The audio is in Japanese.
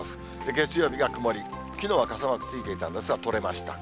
月曜日が曇り、きのうは傘マークついていたんですが、取れました。